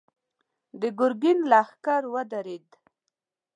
د ګرګين لښکر ودرېد.